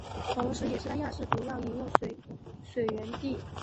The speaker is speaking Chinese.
同时也是三亚市主要饮用水水源地。